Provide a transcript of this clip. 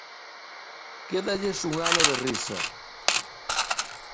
Quédalles un ano de risa.